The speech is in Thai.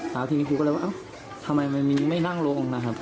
แล้วทีนี้ครูก็เลยว่าเอ้าทำไมมันมีไม่นั่งลงนะครับ